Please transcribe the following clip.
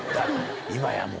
今やもう。